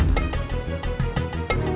tidak sebetulnya untuk